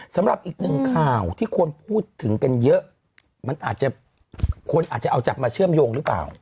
สำหรับอีกหนึ่งข่าวที่คนพูดถึงกันเยอะมันอาจจะคนอาจจะเอาจับมาเชื่อมโยงหรือเปล่า